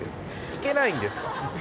いけないんですか？